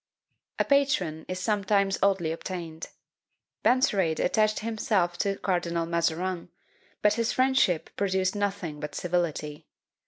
A patron is sometimes oddly obtained. Benserade attached himself to Cardinal Mazarin; but his friendship produced nothing but civility.